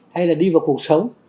hay là đi vào cuộc sống